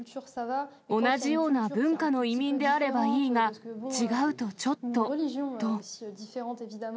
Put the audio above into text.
同じような文化の移民であればいいが、違うとちょっとと。